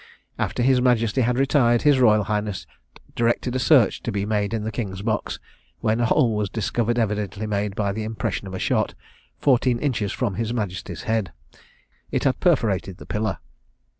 After his majesty had retired, his royal highness directed a search to be made in the king's box, when a hole was discovered, evidently made by the impression of a shot, fourteen inches from his majesty's head. It had perforated the pillar.